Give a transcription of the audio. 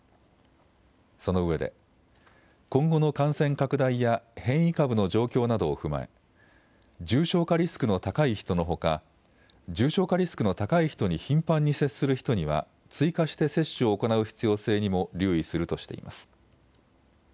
その上で、今後の感染拡大や変異株の状況などを踏まえ、重症化リスクの高い人のほか、重症化リスクの高い人に頻繁に接する人には追加して接種を行う必要性にも留意するとしています。